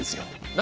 何？